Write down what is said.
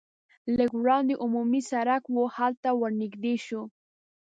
لږ وړاندې عمومي سرک و هلته ور نږدې شوو.